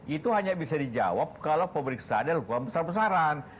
itu hanya bisa dijawab kalau pemeriksaan dilakukan besar besaran